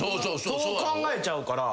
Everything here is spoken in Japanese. そう考えちゃうから。